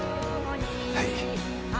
はい。